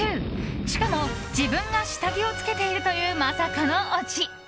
しかも、自分が下着をつけているというまさかのオチ。